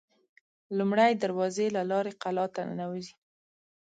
لومړۍ دروازې له لارې قلا ته ننوزي.